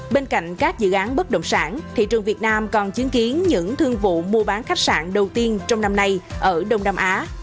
bên cạnh các dự án bất động sản thị trường việt nam còn chứng kiến những thương vụ mua bán khách sạn đầu tiên trong năm nay ở đông nam á